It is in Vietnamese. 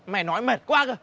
mày nói mệt quá cơ